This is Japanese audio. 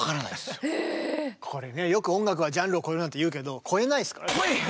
これねよく音楽はジャンルを超えるなんていうけど超えないすからね。